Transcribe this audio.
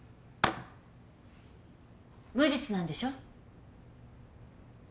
無実なんでしょ？